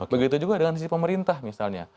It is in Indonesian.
begitu juga dengan sisi pemerintah misalnya